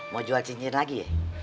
mau jual cincin lagi